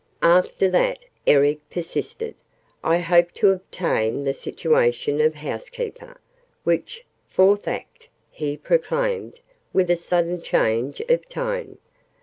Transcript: " after that," Eric persisted, "I hope to obtain the situation of Housekeeper, which Fourth Act!" he proclaimed, with a sudden change of tone.